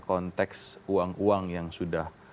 konteks uang uang yang sudah